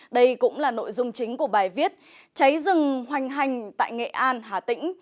đây cũng là nội dung chính của bài viết cháy rừng hoành hành tại nghệ an hà tĩnh